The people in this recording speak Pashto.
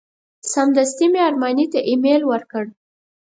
سمدستي مې ارماني ته ایمیل ورکړ.